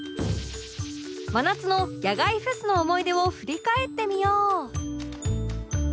真夏の野外フェスの思い出を振り返ってみよう